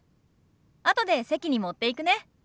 あとで席に持っていくね。